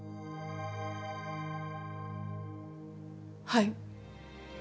はい。